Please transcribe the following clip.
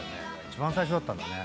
一番最初だったんだね。